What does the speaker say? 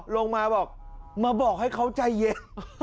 ลงมาบอกมาบอกให้เขาใจเย็น